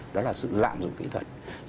đó là sự lạm dụng kỹ thuật